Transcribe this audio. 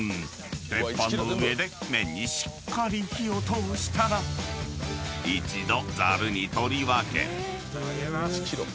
［鉄板の上で麺にしっかり火を通したら一度ざるに取り分け］